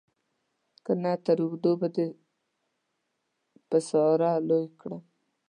که نه تر اوږده به دې په ساره لوی کړم.